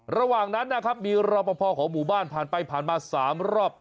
ระหว่างนั้นนะครับมีรอปภของหมู่บ้านผ่านไปผ่านมา๓รอบ